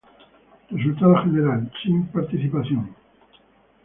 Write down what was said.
Resultado general: "Sin participación"